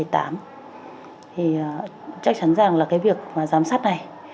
thì chắc chắn rằng là cái việc mà giám sát này